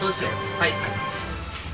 はい。